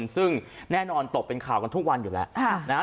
ซึ่งแน่นอนตกเป็นข่าวกันทุกวันอยู่แล้วนะฮะ